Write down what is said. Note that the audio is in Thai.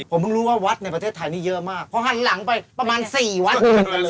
ผมเพิ่งรู้ว่าวัดในประเทศไทยนี่เยอะมากเพราะหันหลังไปประมาณสี่วัด